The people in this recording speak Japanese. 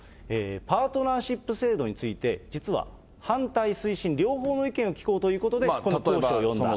パートナーシップ制度について、実は反対・推進、両方の意見を聞こうということで講師を呼んだ。